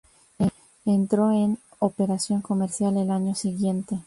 Entró en operación comercial el año siguiente.